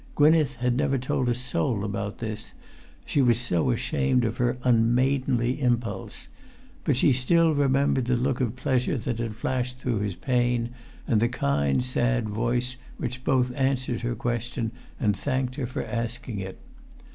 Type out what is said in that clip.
Gwynneth had never told a soul about this, she was so ashamed of her unmaidenly impulse; but she still remembered the look of pleasure that had flashed through his pain, and the kind sad voice which both answered her question and thanked her for asking it.